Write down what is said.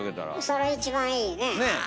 それ一番いいね。ね？